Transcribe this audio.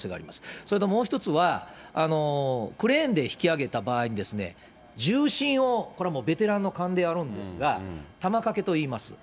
それともう一つは、クレーンで引き上げた場合に、重心をこれはもう、ベテランのかんでやるんですが、たまかけといいます。